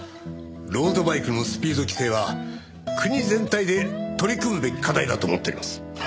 ロードバイクのスピード規制は国全体で取り組むべき課題だと思っております。